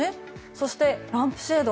そしてランプシェード。